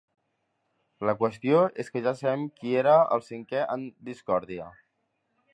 La qüestió és que ja sabem qui era el cinquè en discòrdia.